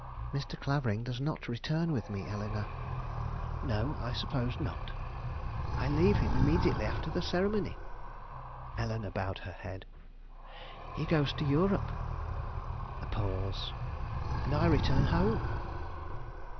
"Mr. Clavering does not return with me, Eleanore." "No, I supposed not." "I leave him immediately after the ceremony." Eleanore bowed her head. "He goes to Europe." A pause. "And I return home."